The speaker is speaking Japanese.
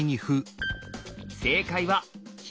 正解は左。